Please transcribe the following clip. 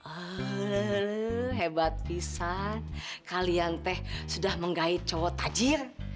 oh hebat bisa kalian sudah menggait cowok tajir